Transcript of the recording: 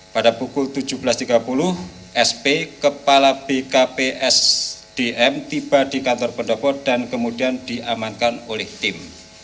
pada pukul tujuh belas tiga puluh sp kepala bkp sdm tiba di kantor pendopo dan kemudian diamankan oleh tim